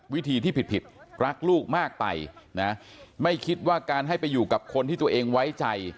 วิธีที่ผิดผิดรักลูกมากไปนะไม่คิดว่าการให้ไปอยู่กับคนที่ตัวเองไว้ใจ